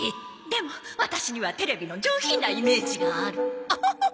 でもワタシにはテレビの上品なイメージがあるオホホホホ。